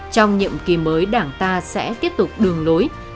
trong nhiệm kỳ mới đảng ta sẽ tiếp tục đường lối